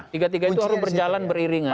tiga tiga itu harus berjalan beriringan